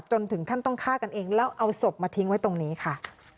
จนถึงขั้นต้องฆ่ากันเองแล้วเอาศพมาทิ้งไว้ตรงนี้ค่ะ